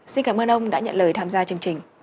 xin cảm ơn ông đã nhận lời tham gia chương trình